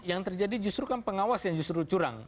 yang terjadi justru kan pengawas yang justru curang